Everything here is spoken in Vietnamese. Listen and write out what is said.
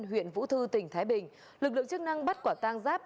huyện vũ thư tỉnh thái bình lực lượng chức năng bắt quả tang giáp